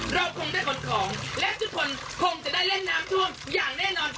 เราคงได้ขนของและทุกคนคงจะได้เล่นน้ำท่วมอย่างแน่นอน